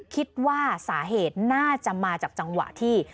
คิดว่าสาเหตุน่าจะมาจากจังหวะที่